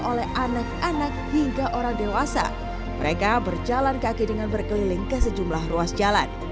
oleh anak anak hingga orang dewasa mereka berjalan kaki dengan berkeliling ke sejumlah ruas jalan